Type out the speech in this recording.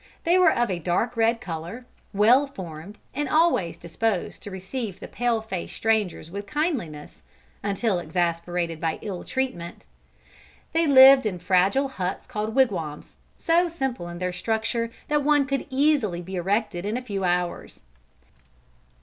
They were of a dark red color, well formed and always disposed to receive the pale face strangers with kindliness, until exasperated by ill treatment. They lived in fragile huts called wigwams, so simple in their structure that one could easily be erected in a few hours.